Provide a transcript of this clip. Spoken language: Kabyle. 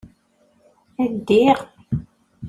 Ddiɣ.